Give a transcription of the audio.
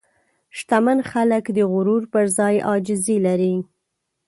شتمن خلک د غرور پر ځای عاجزي لري.